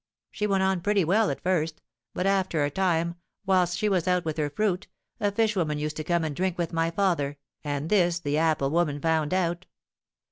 She went on pretty well at first, but after a time, whilst she was out with her fruit, a fish woman used to come and drink with my father, and this the apple woman found out.